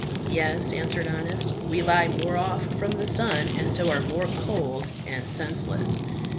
Yes, answered Honest, we lie more off from the sun, and so are more cold and senseless.